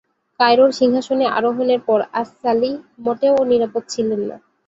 কায়রোর সিংহাসনে আরোহণের পর, "আস-সালিহ" মোটেও নিরাপদ ছিলেন না।